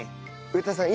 植田さん